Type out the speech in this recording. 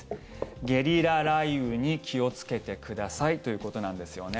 ゲリラ雷雨に気をつけてくださいということなんですよね。